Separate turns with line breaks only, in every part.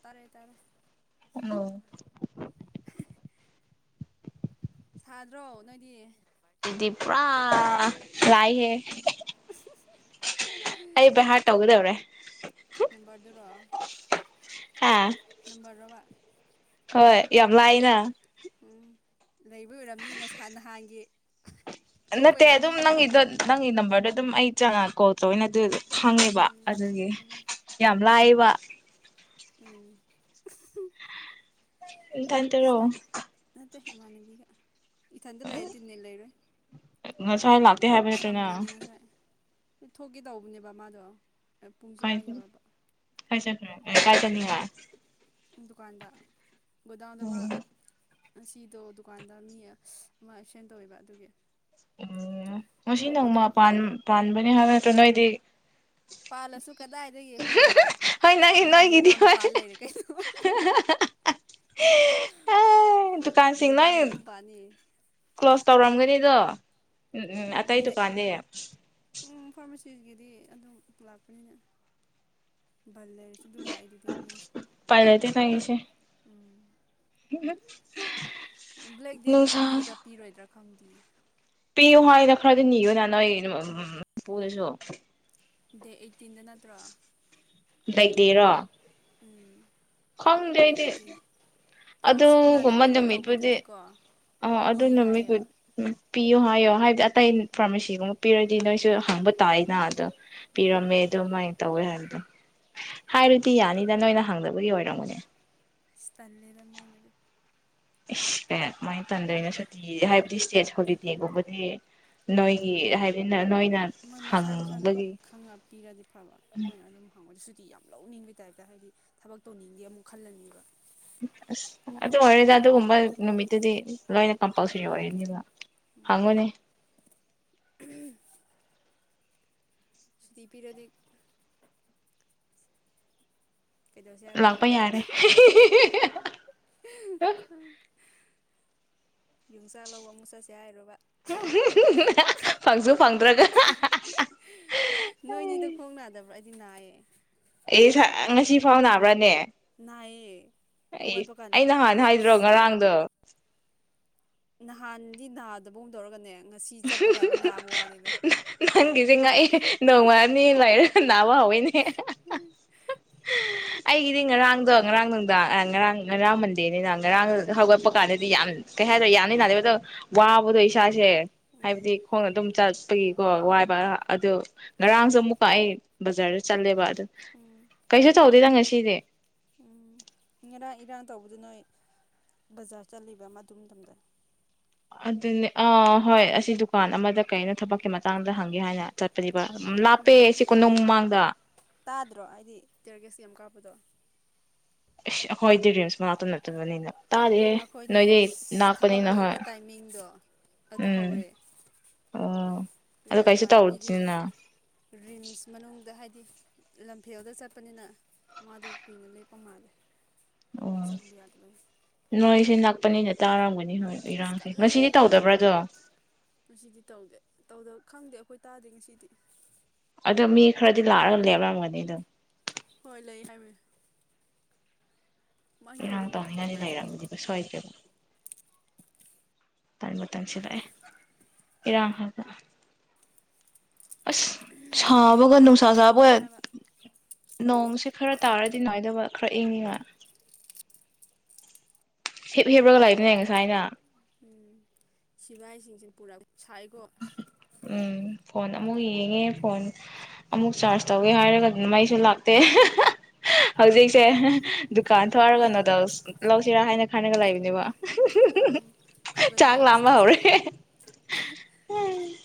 ꯇꯔꯦ ꯇꯔꯦ
ꯑꯧ
ꯁꯥꯗ꯭ꯔꯣ ꯅꯣꯏꯗꯤ
ꯏꯗꯤ ꯄꯨꯥꯔꯥ ꯂꯥꯏꯍꯦ ꯑꯩ ꯕꯩꯍꯥꯔ ꯇꯧꯒꯗꯧꯔꯦ
ꯅꯝꯕꯔꯗꯨꯔꯣ
ꯍꯥ
ꯅꯝꯕꯔꯔꯣꯕ
ꯍꯣꯏ ꯌꯥꯝ ꯂꯥꯏꯅ
ꯎꯝ ꯂꯩꯕ ꯑꯣꯏꯔꯝꯅꯤ ꯉꯁ ꯅꯍꯥꯟꯒꯤ ꯊꯣꯛꯄꯩ
ꯅꯠꯇꯦ ꯑꯗꯨꯝ
ꯑꯣꯏꯔꯝꯅꯤ
ꯅꯪꯒꯤꯗꯣ ꯅꯪꯒꯤ ꯅꯝꯕꯔꯗꯣ ꯑꯗꯨꯝ ꯑꯩ ꯆꯪꯉ ꯀꯣꯜ ꯇꯧꯋꯦꯅ ꯑꯗꯨꯗꯤ ꯈꯪꯉꯦꯕ
ꯎꯝ
ꯑꯗꯨꯒꯤ
ꯎꯝ
ꯌꯥꯝ ꯂꯥꯏꯕ
ꯎꯝ
[unintelligible] ꯏ ꯊꯟꯇꯔꯣ
ꯅꯇꯦ ꯏꯃꯥꯟꯅꯕꯤꯒ ꯏꯊꯟꯇ ꯂꯩꯔꯗꯤ ꯅꯦꯠ ꯂꯩꯔꯣꯏ
ꯉꯁꯥꯏ ꯂꯥꯛ ꯇꯦ ꯍꯥꯏꯕ ꯅꯠꯇ꯭ꯔꯣ ꯅꯪ
ꯁꯝꯃꯤꯅꯦ ꯉꯁꯥꯏ ꯊꯣꯛꯀꯦ ꯇꯧꯕꯅꯦꯕ ꯃꯥꯗꯣ ꯄꯨꯡꯁꯦ ꯑꯥ
ꯀꯥꯏꯗ
ꯌꯧꯔꯕ
ꯀꯥꯢ ꯆꯠꯈ꯭ꯔꯦ ꯀꯥꯏ ꯆꯠꯅꯤꯉꯥꯢ
ꯗꯨꯀꯥꯟꯗ ꯒꯣꯗꯎꯟꯗ ꯃꯥ ꯉꯁꯤꯗꯣ ꯗꯨꯀꯥꯟꯗ ꯃꯤ ꯑꯃ ꯑꯦꯛꯁꯤꯗꯦꯟ ꯇꯧꯋꯦꯕ ꯑꯗꯨꯒꯤ
ꯑꯣ ꯉꯁꯤ
ꯊꯣꯛꯑꯒꯦ
ꯅꯣꯡꯃ
ꯇꯧꯕ
ꯄꯥꯟ ꯄꯥꯟꯕ ꯍꯥꯏꯕ ꯅꯇ꯭ꯔꯣ ꯅꯣꯏꯗꯤ
ꯄꯥꯜꯂꯁꯨ ꯀꯗꯥꯏꯗꯒꯤ ꯑꯩꯈꯣꯏꯗꯤ
ꯍꯣꯏ ꯅꯪꯒꯤ
ꯑꯗꯨꯝꯗꯣ
ꯅꯣꯏꯒꯤꯗꯤ
ꯒꯣꯗꯥꯎꯟꯗ
ꯍꯣꯏ
ꯄꯥꯜꯂ ꯂꯩꯔꯦ ꯀꯩꯅꯣ
ꯗꯨꯀꯥꯟꯁꯤꯡ ꯅꯣꯏ
ꯒꯣꯗꯥꯎꯟꯗ ꯑꯗꯨꯝ ꯄꯥꯅꯤ
ꯀ꯭ꯂꯣꯁ ꯇꯧꯔꯝꯒꯅꯤꯗꯣ ꯎꯝ ꯎꯝ ꯑꯇꯩ ꯗꯨꯀꯥꯟꯗꯤ
ꯀꯤꯗꯤ ꯑꯗꯨꯝ ꯂꯥꯛꯄꯅꯤꯅ ꯕꯟ ꯂꯩꯔꯁꯨ ꯑꯗꯨꯝ ꯂꯥꯛꯏꯗꯨꯗꯤ ꯃꯤꯁꯨ
ꯎꯄꯥꯏ ꯂꯩꯇꯦ ꯅꯪꯒꯤꯁꯦ
ꯎꯝ
[unintelligible]
ꯕ꯭ꯂꯦꯛ ꯗꯦꯗꯗꯤ
ꯅꯨꯡꯁꯥ
ꯄꯤꯒꯗ꯭ꯔꯥ ꯄꯤꯔꯣꯏꯗ꯭ꯔꯥ ꯈꯪꯗꯦꯌꯦ
ꯄꯤꯌꯨ ꯍꯥꯏꯅ ꯈꯔꯗꯤ ꯅꯤꯌꯨ ꯅ ꯅꯣꯏ ꯄꯄꯨꯗꯁꯨ
ꯗꯦꯠ ꯑꯩꯠꯇꯤꯟꯗ ꯅꯠꯇ꯭ꯔꯣ
ꯕ꯭ꯂꯦꯛ ꯗꯦꯔꯣ
ꯎꯝ
ꯈꯪꯗꯦ
ꯗꯦꯠ
ꯑꯩꯗꯤ
ꯑꯩꯠꯇꯤꯟ ꯐꯥꯔꯃꯥꯁꯤ
ꯑꯗꯨꯒꯨꯝꯕ
ꯏꯃꯥꯟꯅꯕꯤ ꯑꯃ
ꯅꯨꯃꯤꯠꯄꯨꯗꯤ
ꯇꯧꯕꯗꯨꯗꯤꯀꯣ
ꯑ ꯑꯗꯨ
ꯄꯤ ꯍꯥꯏꯌꯦꯕ
ꯅꯨꯃꯤꯠꯄꯨꯗꯤ ꯎꯝ ꯄꯤꯌꯣ ꯍꯥꯏꯌꯣ ꯍꯥꯏꯕꯗꯤ ꯑꯇꯩ ꯐꯥꯔꯃꯥꯁꯤꯒꯨꯝꯕ ꯄꯤꯔꯗꯤ ꯅꯣꯏꯁꯨ ꯍꯪꯕ ꯇꯥꯏꯅ ꯑꯗꯣ
ꯎꯝ
ꯄꯤꯔꯝꯃꯦ ꯑꯗꯨꯃꯥꯏ ꯇꯧꯋꯦ ꯍꯥꯏꯕꯗꯣ ꯍꯥꯏꯔꯗꯤ ꯌꯥꯅꯤꯗ ꯅꯣꯏꯅ ꯍꯪꯗꯕꯒꯤ ꯑꯣꯏꯔꯝꯒꯅꯤ
ꯏꯁ ꯇꯜꯂꯦꯗ ꯃꯣꯏ ꯅꯗꯤ
ꯏꯁ ꯑꯦ ꯑꯗꯨꯃꯥꯏꯅ ꯇꯟꯂꯦꯅ ꯁꯨꯇꯤ ꯍꯥꯏꯕꯗꯤ ꯏꯁꯇꯦꯠ ꯍꯣꯂꯤꯗꯦꯒꯨꯝꯕꯗꯤ ꯅꯣꯏꯒꯤ ꯍꯥꯏꯕꯗꯤ ꯅ
ꯃꯣꯏ ꯃꯁꯥ ꯃꯁꯥꯅ ꯈꯪꯉ ꯄꯤꯔꯗꯤ ꯐꯕ ꯑꯩꯈꯣꯏꯅ ꯑꯗꯨꯝ ꯍꯪꯕꯗ ꯗꯤ ꯌꯥꯝ ꯂꯧꯅꯤꯡꯕꯩ ꯇꯥꯏꯞꯇ ꯍꯥꯏꯗꯤ ꯊꯕꯛ ꯇꯧꯅꯤꯡꯗꯦ ꯑꯃꯨꯛ ꯈꯜꯂꯅꯦꯕ
ꯑꯁ ꯑꯗꯨ ꯑꯣꯏꯔꯣꯢꯗ ꯑꯗꯨꯒꯨꯝꯕ ꯅꯨꯃꯤꯠꯇꯨꯗꯤ ꯂꯣꯏꯅ ꯀꯝꯄꯜꯁꯔꯤ ꯑꯣꯏꯔꯅꯤꯕ ꯍꯪꯉꯨꯅꯦ
ꯁꯨꯇꯤ ꯄꯤꯔꯗꯤ ꯀꯩꯗꯧꯁꯦ ꯍꯥꯏꯕꯅꯣ
ꯂꯥꯛꯄ ꯌꯥꯔꯦ
ꯌꯣꯡꯆꯥꯛ ꯂꯧꯕ ꯑꯃꯨꯛ ꯆꯠꯁꯦ ꯍꯥꯏꯔꯕ
ꯐꯪꯁꯨ ꯐꯪꯗ꯭ꯔꯒ
ꯅꯥꯢꯌꯦ
ꯑꯦ ꯉꯁꯥꯢ ꯉꯁꯤ ꯐꯥꯎ ꯅꯥꯕ꯭ꯔꯥꯅꯦ
ꯅꯥꯏꯌꯦ
ꯑꯩ
ꯍꯧꯒꯠꯄ ꯀꯥꯟꯗ
ꯑꯩ ꯅꯍꯥꯟ
ꯍꯥꯏꯗꯤ
ꯍꯥꯏꯗ꯭ꯔꯣ [inaudible]
ꯅꯍꯥꯟꯗꯤ ꯅꯗꯒꯨꯝ ꯇꯧꯔꯒꯅꯦ ꯉꯁꯤ ꯆꯠꯄ ꯀꯥꯟꯗ ꯅꯥꯕ ꯋꯥꯅꯤꯗ
ꯅꯪꯒꯤꯁꯦ ꯉꯛꯑꯦ ꯅꯣꯡꯃꯥ ꯑꯅꯤ ꯂꯥꯏꯔ ꯅꯥꯕ ꯍꯧꯋꯦꯅꯦ ꯑꯩꯒꯤꯗꯤ
ꯁꯦꯡꯒꯤ
ꯉꯔꯥꯡꯗꯣ ꯉꯔꯥꯡꯅꯨꯡ ꯑꯥ ꯉꯔꯥꯡ ꯃꯟꯗꯦꯅꯤꯅ ꯉꯔꯥꯡ
ꯎꯝ
ꯍꯧꯒꯠꯄ ꯀꯥꯟꯗꯗꯤ ꯌꯥꯝ ꯀꯩ ꯍꯥꯏꯗꯣ ꯌꯥꯝ ꯅꯥꯅꯦꯕ ꯋꯥꯕꯗ ꯏꯁꯥꯥꯁꯦ ꯍꯥꯏꯕꯗꯤ
ꯎꯝ
ꯈꯣꯡ ꯑꯗꯨꯝ ꯆꯠꯄꯒꯤꯀꯣ ꯋꯥꯏꯕ ꯑꯗꯨ ꯉꯔꯥꯡꯁꯨ ꯑꯃꯨꯛꯀ ꯑꯩ ꯕꯖꯥꯔꯗ ꯆꯠꯂꯦꯕ
ꯎꯝ
ꯀꯩꯁꯨ ꯇꯧꯗꯦ ꯉ ꯁꯤꯅꯦ
ꯎꯝ ꯉꯔꯥꯡ ꯏꯔꯥꯡ ꯇꯧꯕꯗ ꯅꯣꯏ ꯕꯖꯥꯔ ꯆꯠꯂꯤꯕ ꯑꯃ ꯑꯗꯨ ꯃꯇꯝꯗ
ꯑꯗꯨꯅꯦ ꯑꯥ ꯍꯣꯏ ꯑꯁꯤ ꯗꯨꯀꯥꯟ ꯑꯃꯗ ꯀꯩꯅꯣ ꯊꯕꯛꯀꯤ ꯃꯇꯥꯡꯗ ꯍꯪꯒꯦ ꯍꯥꯏꯅ ꯆꯠꯄꯅꯦ ꯂꯥꯞꯄꯦ
ꯎꯝ
ꯁꯤ ꯀꯣꯅꯨꯡ ꯃꯃꯥꯡꯗ
ꯇꯥꯗ꯭ꯔꯣ ꯍꯥꯏꯗꯤ ꯇꯦꯔꯒꯤꯌꯁ ꯌꯥꯝ ꯀꯥꯞꯄꯗꯣ
ꯑꯁ ꯑꯈꯣꯏꯗꯤ ꯔꯦꯁ ꯃꯅꯥꯥꯛꯇꯅ ꯆꯠꯂꯅꯤꯅ ꯇꯥꯔꯤꯌꯦ
ꯑꯩꯈꯣꯏꯗꯤ
ꯅꯣꯏꯗꯤ
ꯑꯁ
ꯅꯥꯛꯄꯅꯤ
ꯊꯕꯛ
ꯍꯣꯏ
ꯂꯣꯏꯕ ꯇꯥꯏꯃꯤꯡꯗꯣ ꯑꯗ
ꯎꯝ ꯑꯣ ꯑꯗꯣ
ꯑꯗꯨ
ꯀꯩꯁꯨ
ꯏꯃꯥꯟꯅꯕꯤꯗꯤ
ꯇꯧꯗꯦꯅ
ꯔꯤꯝꯁ ꯃꯅꯨꯡꯗ ꯍꯥꯏꯗꯤ ꯂꯝꯐꯦꯜꯗ ꯆꯠꯄꯅꯤꯅ ꯃꯥꯗꯣ ꯀꯨꯏꯅ ꯂꯦꯞꯄ ꯃꯥꯜꯂꯦ
ꯑꯣ
ꯆꯪꯕ ꯌꯥꯗꯕꯩ
ꯅꯣꯏꯁꯤꯅ ꯄꯅꯤꯅ ꯇꯥꯔꯝꯒꯅꯤ ꯍꯣꯏ
ꯎꯝ ꯑꯁ
ꯏꯔꯥꯡꯁꯦ
ꯀꯜꯂꯤꯍꯦ
ꯉꯁꯤꯗꯤ ꯇꯧꯗꯕ꯭ꯔꯗꯣ
ꯉꯁꯤꯗꯤ ꯇꯧꯗꯦ ꯇꯧꯗ ꯈꯪꯗꯦ ꯑꯩꯈꯣꯏ ꯇꯥꯗꯦ ꯉꯁꯤꯗꯤ
ꯑꯗꯣ ꯃꯤ ꯈꯔꯗꯤ ꯂꯥꯛꯑꯒ ꯂꯦꯞꯂꯝꯒꯅꯤ ꯑꯗꯨꯝ
ꯍꯣꯏ ꯂꯩ ꯍꯥꯏꯕꯅꯦ
ꯏꯔꯥꯡ ꯇꯧꯅꯤꯡꯉꯥꯏꯅꯤ
ꯈꯪꯗꯦ
ꯂꯩꯔꯝꯃꯗꯤꯕ ꯁ꯭ꯋꯥꯢꯗꯗꯤ ꯑꯃꯨꯛ ꯇꯥꯏ ꯃ ꯃꯇꯝꯁꯤ ꯗ ꯑꯦ ꯏꯔꯥꯡ [unintelligible] ꯑꯁ ꯁꯥꯥꯕꯒ
ꯌꯥꯝ
ꯅꯨꯡꯁꯥ
ꯉꯝꯃꯦ
ꯁꯥꯥꯕꯒ
ꯍꯥꯏꯕ
ꯅꯣꯡꯁꯦ ꯈꯔ ꯇꯥꯔꯗꯤ ꯅꯨꯡꯉꯥꯏꯗꯣꯕ ꯈꯔ ꯏꯪꯉꯤꯉ ꯍꯤꯞ ꯍꯤꯞꯄꯒ ꯂꯩꯕꯅꯦ ꯉꯁꯥꯏꯅ
ꯎꯝ ꯁꯤꯐꯥꯏꯁꯤꯡꯁꯤꯅ ꯄꯨꯔꯛ ꯁꯥꯏꯒꯣ
ꯎꯝ ꯐꯣꯟ ꯑꯃꯨꯛ ꯌꯦꯡꯉꯦ ꯐꯣꯟ ꯑꯃꯨꯛ ꯆꯥꯔꯖ ꯇꯧꯏ ꯍꯥꯏꯔꯒ ꯑꯗꯨꯅ ꯃꯩꯁꯨ ꯂꯥꯛꯇꯦ ꯍꯧꯖꯤꯛꯁꯦ
ꯑꯗꯨꯅꯦ
ꯗꯨꯀꯥꯟ
ꯑꯩꯈꯣꯏ
ꯊꯣꯛꯑꯒ ꯅꯨꯗꯜꯁ ꯂꯧꯁꯤꯔꯥ ꯍꯥꯏꯅ ꯍꯥꯟꯅꯒ ꯂꯩꯕꯅꯦꯕ
ꯎꯝ ꯑꯩꯈꯣꯏ
ꯆꯥꯛ ꯂꯥꯝꯕ
ꯒꯣꯗꯥꯎꯟꯗꯁꯤꯅ ꯁꯥ
ꯍꯧꯔꯦ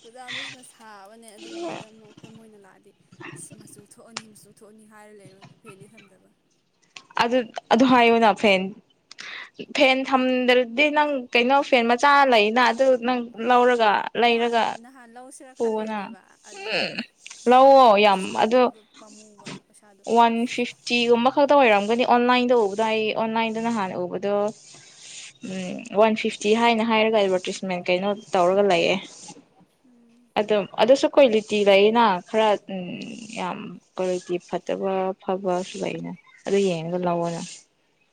ꯒꯣꯗꯥꯎꯟꯗꯁꯤꯅ ꯁꯥ ꯊꯥꯕꯅꯦ ꯑꯗ ꯑꯗꯨꯒ ꯃꯦꯗꯝ ꯑꯩꯈꯣꯏ ꯃꯣꯏꯅ ꯂꯥꯛ ꯍꯥꯏꯗꯤ ꯑꯁ ꯃꯆꯨ ꯊꯣꯛꯑꯅꯤ ꯃꯆꯨ ꯊꯣꯛꯑꯅꯤ ꯍꯥꯏꯔ ꯂꯩꯕ ꯐꯦꯟꯗꯤ ꯊꯝꯗꯕ
ꯑꯗꯨ ꯑꯗꯨ ꯍꯥꯏꯌꯨꯅ ꯐꯦꯟ ꯐꯦꯟ ꯊꯝꯗ꯭ꯔꯗꯤ ꯅꯪ ꯀꯩꯅꯣ ꯐꯦꯟ ꯃꯆꯥ ꯂꯩꯅ ꯑꯗꯨ ꯅꯪ ꯂꯧꯔꯒ ꯒ
ꯅꯍꯥꯟ
ꯂꯩꯔꯒ
ꯅꯍꯥꯟ ꯂꯧꯁꯤꯔꯥ
ꯄꯨꯑꯣꯅ
ꯈꯜꯂꯤꯅꯦꯕ ꯑꯗꯨꯒ
ꯂꯧꯑꯣ ꯌꯥꯝ ꯑꯗꯣ
ꯃꯆꯥꯗꯨꯗꯣ ꯄꯥꯝꯃꯨꯕ ꯄꯩꯁꯥꯗꯣ
ꯋꯥꯟ ꯐꯤꯐꯇꯤꯒꯨꯝꯕ ꯈꯛ ꯗꯣ ꯑꯣꯏꯔꯝꯒꯅꯤ ꯑꯣꯟꯂꯥꯏꯟꯗ ꯎꯕꯗꯥ ꯍꯥꯏꯌꯦ ꯑꯣꯟꯂꯥꯏꯟꯗꯅ ꯍꯥꯟꯅ ꯎꯕꯗꯣ ꯎꯝ ꯋꯥꯟ ꯐꯤꯐꯇꯤ ꯍꯥꯏꯅ ꯍꯥꯏꯔꯒ ꯑꯦꯗꯚꯔꯇꯤꯁꯃꯦꯟ ꯀꯩꯅꯣ ꯇꯧꯔꯒ ꯂꯩꯌꯦ
ꯎꯝ
ꯑꯗꯨꯝ ꯑꯗꯨꯁꯨ ꯀꯨꯂꯤꯇꯤ ꯂꯩꯌꯦꯅ ꯈꯔ ꯎꯝ ꯌꯥꯝ ꯄꯣꯔꯣꯏꯇꯤꯞ ꯐꯠꯇꯕ ꯐꯕꯁꯨ ꯂꯩꯅꯦ ꯑꯗꯨ ꯌꯦꯡꯉꯒ ꯂꯧꯑꯣꯅꯥ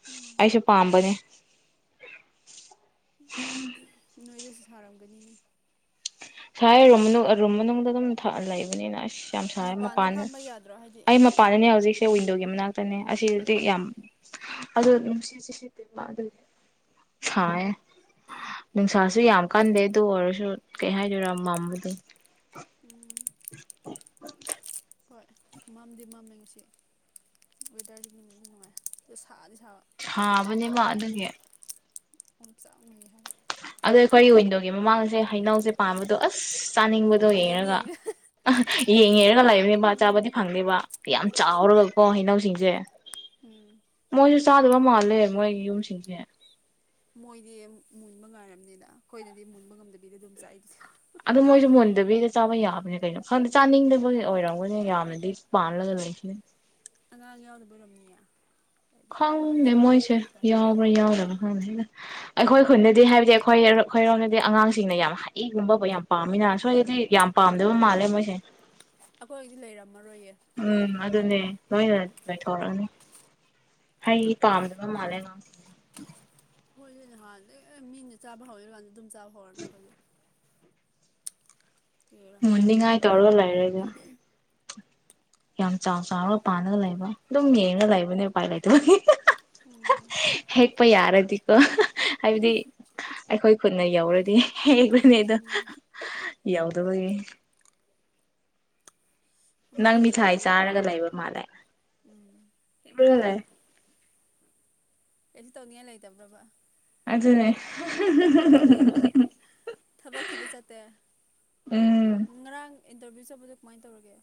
ꯎꯝ
ꯑꯩꯁꯨ ꯄꯥꯝꯕꯅꯦ
ꯅꯣꯏꯗꯁꯨ ꯊꯥꯔꯝꯒꯅꯤꯅꯦ
ꯁꯥꯏ ꯔꯨꯝ ꯃꯅꯨꯡ ꯔꯨꯝ ꯃꯅꯨꯡꯗ ꯑꯗꯨꯝ ꯊ ꯂꯩꯕꯅꯤꯅ ꯑꯁ ꯌꯥꯝ ꯁꯔꯦ
ꯃꯄꯥꯟꯗ
ꯃꯄꯥꯟ
ꯐꯝꯕ ꯌꯥꯗ꯭ꯔꯣ ꯍꯥꯏꯗꯤ
ꯑꯩ ꯃꯄꯥꯟꯗꯅꯦ ꯍꯧꯖꯤꯛ ꯋꯤꯟꯗꯣꯒꯤ ꯃꯅꯥꯛꯇꯅꯦ ꯑꯁꯤꯗꯗꯤ ꯌꯥꯝ ꯑꯗꯨ ꯅꯨꯡꯁꯤꯠ ꯏꯁꯤꯠ ꯁꯤꯠꯇꯦꯕ ꯑꯗꯨꯒꯤ ꯁꯥꯌꯦ
ꯎꯝ
ꯅꯨꯡꯁꯥ ꯑꯗꯨ ꯌꯥꯝ ꯀꯟꯗꯦ ꯑꯗꯨ ꯑꯣꯏꯔꯁꯨ ꯀꯩ ꯍꯥꯏ ꯔꯝꯃꯥꯟꯕꯗꯨ
[unintelligible]
[inaudible]
ꯍꯣꯏ ꯃꯝꯗꯤ ꯃꯝꯃꯦ ꯉꯁꯤ ꯋꯦꯗꯔꯗꯤ ꯅꯨꯡꯗꯤ ꯅꯨꯡꯉꯥꯏꯑꯦ ꯁꯥꯗꯤ ꯁꯥꯕ
ꯁꯥꯕꯅꯦꯕ ꯑꯗꯨꯒꯤ
ꯑꯣꯝꯆꯥꯛꯅꯩ ꯍꯥꯏꯕ
ꯑꯗꯣ ꯑꯩꯈꯣꯏꯒꯤ ꯋꯤꯟꯗꯣꯒꯤ ꯃꯃꯥꯡꯁꯦ ꯍꯩꯅꯧꯁꯦ ꯄꯥꯟꯕꯗꯣ ꯑꯁ ꯆꯥꯅꯤꯡꯕꯗꯣ
ꯌꯦꯡ
ꯌꯦꯡꯉꯒ
ꯌꯦꯡꯉ
ꯑꯍ ꯌꯦꯡꯉꯦꯔꯒ ꯂꯩꯕꯅꯦꯕ ꯃꯥ
ꯎꯝ
ꯆꯥꯕꯗꯤ ꯐꯪꯗꯦꯕ ꯌꯥꯝ ꯆꯥꯎꯔꯒꯀꯣ ꯍꯩꯏꯅꯧꯁꯤꯡ ꯖꯦ
ꯎꯝ
ꯃꯣꯏꯖꯨ ꯆꯥꯗꯕ ꯃꯥꯜꯂꯦ ꯃꯣꯏꯒꯤ ꯌꯨꯝꯁꯤꯡꯁꯦ
ꯃꯣꯏꯗꯤ ꯃꯨꯟꯕ ꯉꯥꯏꯔꯕꯅꯤꯅ ꯑꯩꯈꯣꯏꯗꯗꯤ ꯃꯨꯟꯕ ꯉꯝꯗꯕꯤꯗ ꯑꯗꯨꯝ ꯆꯥꯏ ꯑꯩꯗꯤ
ꯑꯗꯨ ꯃꯣꯏꯁꯨ ꯃꯨꯟꯗꯕꯤꯗ ꯆꯥꯕ ꯌꯥꯕꯅꯦ ꯀꯩꯅꯣ ꯈꯪꯗꯦ ꯆꯥꯅꯤꯡꯗꯕꯒꯤ ꯑꯣꯏꯔꯝꯒꯅꯤ ꯌꯥꯝꯅꯗꯤ ꯄꯥꯜꯂꯒ ꯂꯩꯈꯤ
ꯑꯉꯥꯡ ꯌꯥꯎꯗꯕꯩ ꯑꯣꯏꯔꯝꯅꯤꯌꯦ ꯍꯥꯏꯗꯤ
ꯈꯪꯗꯦ
ꯑꯍꯟꯁꯤꯡꯒꯗꯤ
ꯃꯣꯏꯁꯦ
ꯑꯗꯨꯝ ꯇꯥꯅꯤꯡꯉꯦ
ꯌꯥꯎꯕ꯭ꯔꯥ ꯌꯥꯎꯗꯕ꯭ꯔꯥ ꯈꯪꯗꯦ ꯑꯩꯈꯣꯏ ꯈꯨꯟꯗꯗꯤ ꯍꯥꯏꯕꯗꯤ ꯑꯩꯈꯣꯏ ꯑꯩꯈꯣꯏꯔꯣꯝꯗꯗꯤ ꯑꯉꯥꯡꯁꯤꯡꯅ ꯌꯥꯝ ꯍꯩꯏꯒꯨꯝꯕ ꯑꯣ ꯌꯥꯝ
ꯎꯝ
ꯄꯥꯝꯃꯤꯅ
ꯎꯝ ꯎꯝ
ꯁꯣꯏꯗꯗꯤ ꯌꯥꯝ ꯄꯥꯝꯗꯕ ꯃꯥꯜꯂꯦ ꯍꯦ ꯃꯣꯏꯁꯦ
ꯑꯩꯈꯣꯏꯒꯤꯗꯤ ꯂꯩꯔꯕ
ꯎꯝ ꯑꯗꯨꯅꯦ ꯂꯣꯏꯅ ꯂꯣꯏꯊꯣꯔꯛꯑꯅꯤ ꯍꯩ ꯄꯥꯝꯗꯕ ꯃꯥꯜꯂꯦ
ꯍꯣꯏ ꯍꯣꯏꯅꯦ ꯍꯥꯟꯅꯗ ꯃꯤꯅ ꯆꯥꯕ ꯍꯧꯔꯗꯤ ꯑꯗꯨꯝ ꯆꯥꯕ ꯍꯧꯔꯅꯤ ꯑꯩꯈꯣꯏꯗꯤ ꯍꯥꯟꯅ
ꯃꯨꯅꯤꯉꯥꯏ
ꯂꯣꯏꯔꯅꯤ
ꯇꯧꯔꯒꯂ ꯂꯩꯔꯦꯗ ꯌꯥꯝ ꯆꯥꯎ ꯆꯥꯎꯔꯒ ꯄꯥꯂꯒ ꯂꯩꯕ ꯑꯗꯨꯝ ꯌꯦꯡꯉ ꯂꯩꯕꯅꯦ ꯎꯄꯥꯏ ꯂꯩꯇꯕꯒꯤ ꯍꯥ ꯍꯥꯥ ꯍꯥ ꯍꯥ
ꯎꯝ
ꯍꯥ ꯍꯦꯛ ꯄ ꯌꯥꯔꯗꯤꯀꯣ ꯍꯥꯏꯕꯗꯤ ꯑꯩꯈꯣꯏ ꯈꯨꯠꯅ ꯌꯧꯔꯗꯤ ꯍꯦꯛꯂꯅꯤꯗ ꯌꯧꯗꯕꯒꯤ
ꯎꯝ
ꯅꯪ
ꯃꯥꯗꯤ
ꯃꯤꯊꯥꯏ
ꯀꯩꯗꯧꯔ
ꯆꯥꯔꯒ ꯂꯩꯕ ꯃꯥꯜꯂꯦ
ꯎꯝ
ꯂꯩ
ꯀꯩꯁꯨ ꯇꯧꯅꯤꯉꯥꯢ ꯂꯩꯇꯕ꯭ꯔ ꯚꯥ
ꯑꯗꯨꯅꯦ
ꯍꯥ ꯍꯥ ꯊꯕꯛ ꯊꯤꯕ ꯆꯠꯇꯦ
ꯎꯝ
ꯉꯔꯥꯡ ꯏꯟꯇꯔꯚꯤꯌꯨ ꯆꯠꯄꯗꯣ ꯀꯃꯥꯏ ꯇꯧꯔꯒꯦ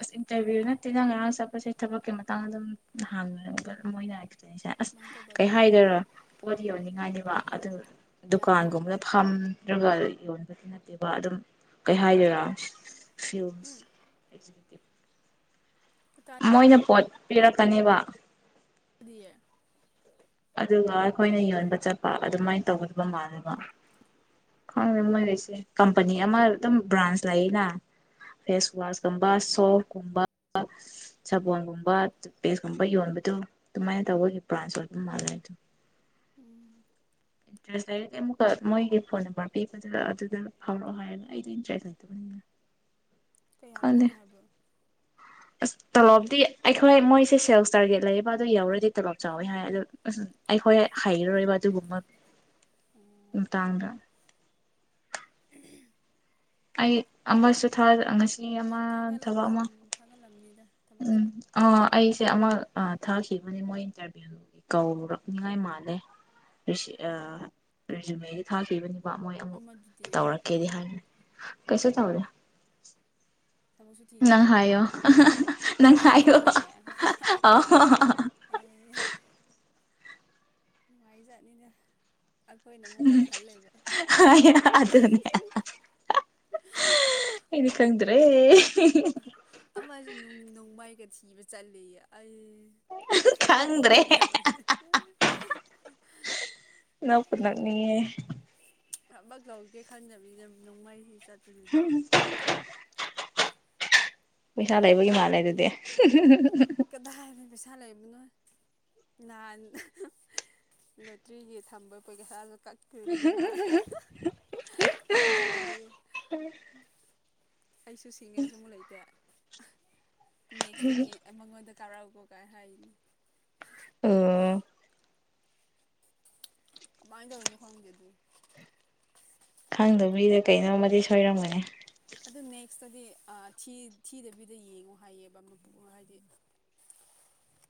ꯑꯁ ꯏꯟꯇꯔꯚꯤꯌꯨ ꯅꯠꯇꯦ ꯅꯪ ꯉꯔꯥꯡ ꯆꯠꯄꯁꯦ ꯊꯕꯛꯀꯤ ꯃꯇꯥꯡꯗ ꯑꯗꯨꯝ ꯍꯥꯡꯅ ꯃꯣꯏꯅ ꯍꯥꯏ ꯑꯁ
ꯀꯃꯥꯏꯅ ꯇꯧꯕ
ꯀꯩ
ꯑꯗꯨꯗꯤ
ꯍꯥꯏꯗꯣꯏꯅꯣ ꯄꯣꯗ ꯌꯣꯅꯤꯡꯉꯥꯏꯅꯦꯕ ꯑꯗꯨ
ꯌꯥꯅꯤ ꯍꯥꯏꯕ꯭ꯔꯥ
ꯗꯨꯀꯥꯟꯒꯨꯝꯕꯗ ꯐꯝ ꯅꯠꯇ꯭ꯔꯒ ꯌꯣꯟꯕꯗꯤ ꯅꯠꯇꯦꯕ ꯑꯗꯨꯝ ꯀꯩ ꯍꯥꯏꯗꯣꯏꯔꯥ ꯐꯤꯜ꯭ꯁ
ꯎꯝ
[unintelligible] ꯃꯣꯏꯅ ꯄꯣꯠ ꯄꯤꯔꯛꯀꯅꯤꯕ
ꯗꯤꯌꯦ
ꯑꯗꯨꯒ ꯑꯩꯈꯣꯏꯅ ꯌꯣꯟꯕ ꯆꯠꯄ ꯑꯗꯨꯃꯥꯏꯅ ꯇꯧꯒꯗꯕ ꯃꯥꯜꯂꯦꯕ ꯈꯪꯗꯦ ꯃꯣꯏꯒꯤꯁꯦ ꯀꯝꯄꯅꯤ ꯑꯃ ꯑꯗꯨꯝ ꯕ꯭ꯔꯥꯟꯁ ꯂꯩꯅ ꯐꯦꯁ ꯋꯥꯁꯀꯨꯝꯕ ꯁꯣꯐ ꯀꯨꯝꯕ ꯁꯥꯕꯣꯟꯒꯨꯝꯕ ꯇꯨꯠꯄꯦꯁꯀꯨꯝꯕ ꯌꯣꯟꯕꯗꯣ ꯑꯗꯨꯃꯥꯏꯅ ꯇꯧꯕꯒꯤ ꯕ꯭ꯔꯥꯟꯁ ꯑꯣꯏ ꯃꯥꯂꯦ ꯇꯣ
ꯎꯝ [inaudible]
ꯏꯟꯇ꯭ꯔꯦꯁ ꯂꯩꯔꯒꯦ ꯑꯃꯨꯛꯀ ꯃꯣꯏꯒꯤ ꯐꯣꯟ ꯅꯝꯕꯔ ꯄꯤꯕꯗ ꯑꯗꯨꯗ ꯐꯥꯎꯔꯛꯑꯣ ꯍꯥꯏꯔꯒ ꯑꯩꯗꯤ ꯏꯟꯇꯔꯦꯁ ꯂꯩꯇꯕꯅꯤꯅ
ꯀꯌꯥ
ꯈꯪꯗꯦ
ꯄꯤꯅꯤ ꯍꯥꯏꯕ꯭ꯔꯣ
ꯑꯁ ꯇꯣꯂꯣꯞꯗꯤ ꯑꯩꯈꯣꯏ ꯃꯣꯏꯁꯦ ꯁꯦꯜꯁ ꯇꯥꯔꯒꯦꯠ ꯂꯩꯌꯦꯕ ꯑꯗꯨ ꯌꯧꯔꯗꯤ ꯇꯣꯂꯣꯞ ꯆꯥꯎꯋꯤ ꯍꯥꯏ ꯑꯗꯣ ꯑꯁ ꯑꯩꯈꯣꯏ ꯍꯩꯔꯣꯏꯕ ꯑꯗꯨꯒꯨꯝꯕ
ꯑꯣ
ꯃꯇꯥꯡꯗ
ꯎꯝ ꯍꯨ [inaudible]
ꯑꯩ ꯑꯃꯁꯨ ꯊꯥ ꯑꯃꯁꯨ
ꯌꯥꯝ ꯊꯥꯒꯠꯂꯝꯃꯤ ꯎꯝ ꯊꯥꯒꯠꯂꯝꯅꯤ
ꯎꯝ ꯑ ꯑꯩꯁꯦ ꯑꯃ ꯑꯥ ꯊꯥꯈꯤꯕꯅꯦ ꯃꯣꯏ ꯏꯟꯇꯔꯚꯤꯌꯨꯒꯤ ꯀꯧꯔꯛꯅꯤꯉꯥꯏ ꯃꯥꯜꯂꯦ ꯔꯤꯁꯤ ꯑ
ꯎꯝ
ꯔꯤꯖꯨꯃꯦ ꯊꯥ ꯈꯤꯕꯅꯤ ꯃꯣꯏ ꯑꯃꯨꯛ
ꯑꯃꯗꯨꯗꯤ
ꯇꯧꯔꯛꯀꯦꯗꯤ ꯍꯥꯏꯕꯅꯤ ꯀꯩꯁꯨ ꯇꯧꯗꯦ
ꯊꯕꯛꯁꯨ ꯊꯤꯗꯦ
ꯅꯪ ꯍꯥꯏꯌꯣ ꯅꯪ
ꯊꯤꯁꯨ
ꯍꯥꯏꯌꯣ
ꯊꯤꯗꯦ ꯍꯥ ꯍꯥ ꯑꯩ ꯅꯨꯡꯉꯥꯏꯖꯥꯠꯅꯤꯗ ꯑꯩꯈꯣꯏꯅ ꯑꯃꯨꯛ ꯄꯥꯈꯠ ꯂꯩꯕ
ꯍꯥꯏꯌꯣ ꯑꯗꯨꯅꯦ ꯑꯩꯗꯤ ꯈꯪꯗ꯭ꯔꯦ
ꯑꯃꯁ ꯅꯪ ꯅꯣꯡꯃꯏꯒ ꯏꯕ ꯆꯜꯂꯦꯌꯦ ꯑꯩ
ꯈꯪꯗ꯭ꯔꯦ
ꯄꯦꯜꯂꯕꯅꯤ
ꯅꯛꯅꯤꯌꯦ
ꯊꯕꯛ ꯇꯧꯒꯦ ꯈꯟꯗꯕꯤꯗ ꯅꯣꯡꯃꯩꯁꯤ ꯆꯠ
[inaudible] ꯄꯩꯁꯥ ꯂꯩꯕꯒꯤ ꯃꯥꯜꯂꯦ ꯑꯗꯨꯗꯤ
ꯀꯗꯥꯏꯗꯩ ꯄꯩꯁꯥ ꯂꯩ ꯃꯅꯣꯏ ꯅꯍꯥꯟ ꯂꯣꯇ꯭ꯔꯤꯒꯤ ꯊꯝꯕ ꯄꯩꯁꯥ ꯀꯛꯇꯣꯏꯗꯨꯗꯤ ꯃꯥꯅ ꯑꯩꯒꯤ ꯐꯣꯟꯗꯒꯤ ꯑꯩꯁꯨ ꯁꯤꯡꯉꯁꯨ ꯃꯨ ꯂꯩꯇꯦ ꯅꯦꯛꯁꯇꯗꯤ ꯑ ꯃꯉꯣꯟꯗ ꯀꯥꯔꯥꯎ ꯀꯨꯒꯥꯏ ꯍꯥꯏꯅꯤ
ꯎꯡ
ꯀꯃꯥꯏꯅ ꯇꯧꯋꯤꯅꯣ ꯈꯪꯗꯦ ꯑꯗꯨ
ꯈꯪꯗ ꯃꯤꯗꯣ ꯀꯩꯅꯣꯝꯃꯗꯤ ꯁꯣꯏꯔꯝꯒꯅꯤ
ꯑꯗꯨ ꯅꯦꯛꯁꯇꯗꯤ ꯑ ꯊꯤ ꯊꯤꯗꯕꯤꯗ ꯌꯦꯡꯉꯣ ꯍꯥꯏꯌꯦꯕ ꯃꯄꯨ ꯍꯥꯏꯗꯤ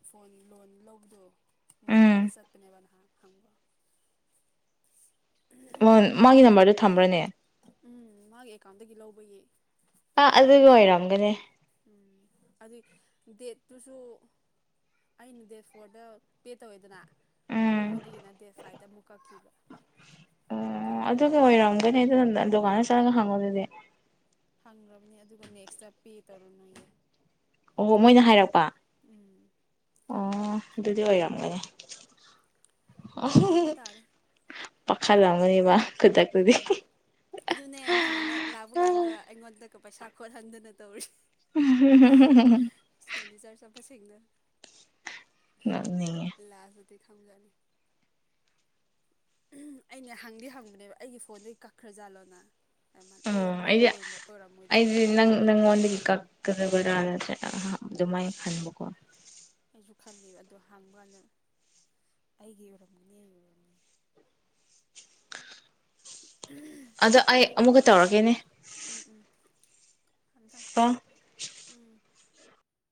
ꯐꯣꯟ ꯂꯣꯟ ꯂꯧꯕꯗꯣ ꯃꯣꯏ
ꯎꯝ
ꯗꯨꯀꯥꯟ ꯆꯠꯄꯅꯦꯕ ꯅꯍꯥꯟ ꯍꯝꯕ
ꯃꯥꯒꯤ ꯅꯝꯕꯔꯗꯣ ꯊꯝꯕ꯭ꯔꯅꯦ
ꯎꯝ ꯃꯥꯒꯤ ꯑꯦꯀꯥꯎꯟꯗꯒꯤ ꯂꯧꯕꯒꯤ
ꯑ ꯑꯗꯨꯒꯤ ꯑꯣꯏꯔꯝꯒꯅꯤ
ꯎꯝ ꯑꯗꯨꯏ ꯗꯦꯠꯇꯨꯁꯨ ꯑꯩꯅ ꯗꯦꯠ ꯐꯣꯔꯗ ꯄꯦ ꯇꯧꯋꯦꯗꯅ
ꯑꯣ
ꯃꯉꯣꯟꯗꯒꯤꯅ ꯅꯠꯇꯦ ꯐꯥꯏꯗ ꯑꯃꯨꯛ ꯀꯛꯈꯤꯕ ꯀꯔꯤꯅꯣ ꯈꯪꯗꯦ
ꯅꯪ ꯍꯪꯉꯣꯗꯨꯗꯤ
ꯐꯪꯈ꯭ꯔꯕꯅꯤ ꯑꯗꯨꯒ ꯅꯦꯛꯁꯇ ꯄꯦ ꯇꯧꯔꯅꯨꯌꯦ
ꯑꯣ ꯃꯣꯏꯅ ꯍꯥꯏꯔꯛꯄ
ꯎꯝ
ꯑꯣ ꯑꯗꯨꯗꯤ ꯑꯣꯏꯔꯝꯃꯣꯏ
ꯌꯦꯡꯕ ꯇꯥꯔꯦ
ꯄꯛꯈꯠꯂꯝꯃꯅꯤ ꯃꯥ
ꯎꯝ ꯑꯗꯨꯅꯦ ꯅꯍꯥꯟ ꯂꯥꯛꯄ ꯀꯥꯟꯗ ꯑꯩꯉꯣꯟꯗ ꯄꯩꯁꯥ ꯈꯣꯠꯍꯟꯗꯅ ꯇꯧꯔꯤ
ꯍꯨꯡ ꯍꯨꯡ ꯍꯨꯡ
ꯇꯁꯦꯡꯅ
ꯉꯛꯅꯤꯡꯉꯦ
ꯗꯤ ꯈꯪꯕꯖꯥꯠꯅꯤ ꯎꯝꯍꯨ ꯑꯩꯅꯦ ꯍꯪꯕꯗꯤ ꯍꯪꯕꯅꯦꯕ ꯑꯩꯒꯤ ꯐꯣꯟꯗꯒꯤ ꯀꯛꯈ꯭ꯔꯖꯥꯠꯂꯣꯅ
ꯑꯣ
ꯑꯣꯏꯔꯝꯃꯣꯏꯗ
ꯑꯩꯗꯤ
ꯑꯣꯏꯔꯝꯃꯣꯏꯗꯅ
ꯑꯩꯗꯤ ꯅꯪ ꯅꯪ ꯉꯣꯟꯗꯒꯤ ꯀꯛ ꯀꯛ ꯈꯕꯔꯅ ꯑ ꯑꯗꯨꯃꯥꯥꯏ ꯈꯟꯕꯀꯣ
ꯑꯩꯁꯨ ꯈꯜꯂꯦꯕ ꯑꯗꯣ ꯍꯥꯡꯕ ꯀꯥꯟꯗ ꯑꯩꯒꯤ ꯑꯣꯏꯔꯝꯒꯅꯤ ꯑꯩ ꯑꯣꯏꯔꯝꯒꯅꯤ ꯎꯝꯍꯨ
ꯑꯗ ꯑꯩ ꯑꯃꯨꯛꯀ ꯇꯧꯔꯛꯀꯦꯅꯦ
ꯊꯝ ꯊꯝ
ꯀꯣ
ꯎꯝ